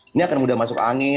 ini akan mudah masuk angin